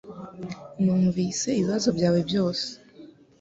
Numvise ibibazo byawe byose.